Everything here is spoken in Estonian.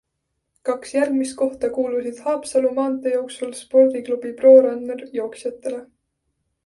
Kaks järgmist kohta kuulusid Haapsalu maanteejooksul spordiklubi ProRunner jooksjatele.